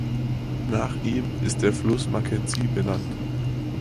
Nach ihm ist der Fluss Mackenzie benannt.